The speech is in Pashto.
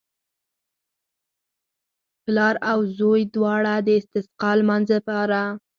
پلار او زوی دواړو د استسقا لمانځه لپاره.